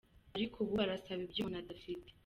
Ariko ubu barasaba ibyo umuntu adafite.